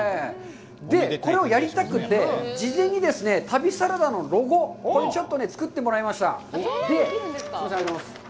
で、これをやりたくて、事前に旅サラダのロゴをちょっと作ってもらいました。